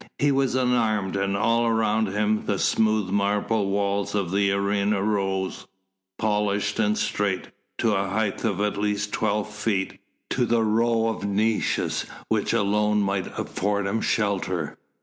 He was unarmed, and all around him the smooth marble walls of the arena rose, polished and straight, to a height of at least twelve feet, to the row of niches which alone might afford him shelter.